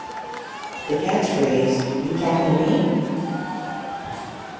The catchphrase You talkin' to me?